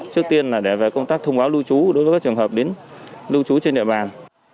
trước tiên là để về công tác thông báo lưu trú đối với các trường hợp đến lưu trú trên địa bàn